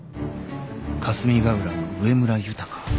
［霞ヶ浦の上村浩］